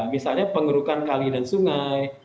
misalnya pengerukan kali dan sungai